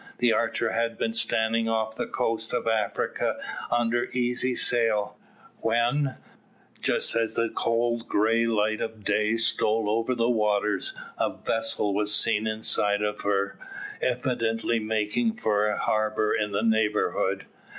The Archer had been standing off the coast of Africa under easy sail, when, just as the cold grey light of day stole over the waters, a vessel was seen inside of her, evidently making for a harbour in the neighbourhood.